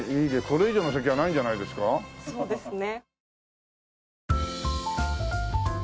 これ以上の席はないんじゃないですか？